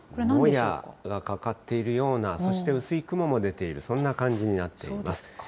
もやがかかっているような、そして薄い雲も出ている、そんな感じになっています。